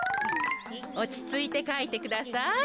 おちついてかいてください。